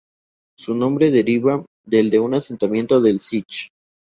Su nombre deriva del de un asentamiento del Sich.